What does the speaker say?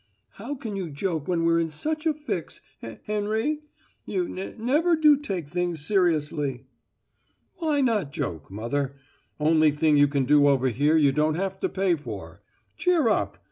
"How can you joke when we're in such a fix? He Henry, you ne never do take things seriously!" "Why not joke, mother? Only thing you can do over here you don't have to pay for. Cheer up!